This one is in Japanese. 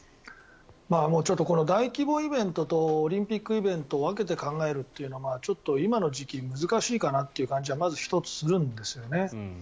この大規模イベントとオリンピックイベントを分けて考えるというのは今の時期難しいなという感じがまず１つ、するんですよね。